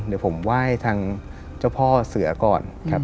เดี๋ยวผมไหว้ทางเจ้าพ่อเสือก่อนครับ